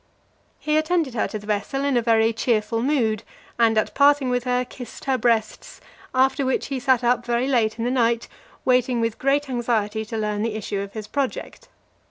He attended her to the vessel in a very cheerful mood, and, at parting with her, kissed her breasts; after which he sat up very late in the night, waiting with great anxiety to learn the issue of his project.